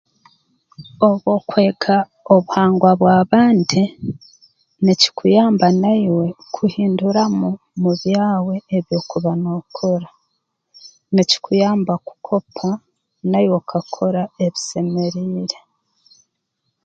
Obu okwega obuhangwa bwa bandi nikikuyamba naiwe kuhinduramu mu byawe ebi okuba nookora nikikuyamba kukopa naiwe okakora ebisemeriire